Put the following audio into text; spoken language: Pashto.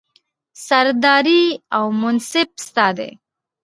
سرداري او منصب ستا دی